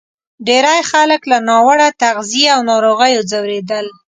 ډېری خلک له ناوړه تغذیې او ناروغیو ځورېدل.